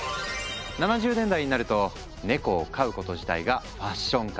７０年代になるとネコを飼うこと自体がファッション化。